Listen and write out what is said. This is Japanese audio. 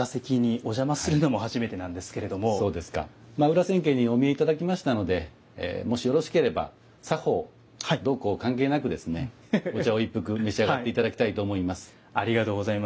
裏千家にお見え頂きましたのでもしよろしければ作法どうこう関係なくですねお茶を一服召し上がって頂きたいと思います。